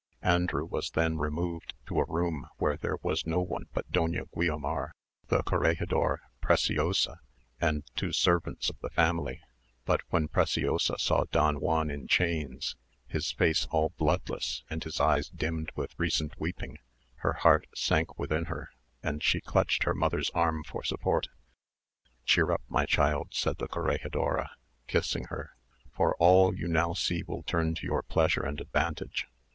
Andrew was then removed to a room where there was no one but Doña Guiomar, the corregidor, Preciosa, and two servants of the family. But when Preciosa saw Don Juan in chains, his face all bloodless, and his eyes dimmed with recent weeping, her heart sank within her, and she clutched her mother's arm for support. "Cheer up, my child," said the corregidora, kissing her, "for all you now see will turn to your pleasure and advantage."